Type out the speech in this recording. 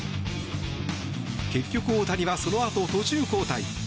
結局、大谷はそのあと途中交代。